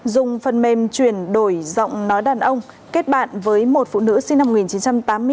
dùng phần mềm chuyển đổi giọng nói đàn ông kết bạn với một phụ nữ sinh năm một nghìn chín trăm tám mươi hai